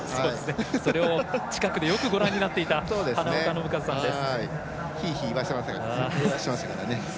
それを近くでよくご覧になっていた花岡伸和さんです。